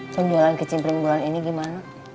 penjualan kecil pering bulan ini gimana